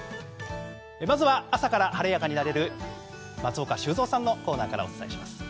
まずは、朝から晴れやかな気持ちになれる松岡修造さんのコーナーからお伝えします。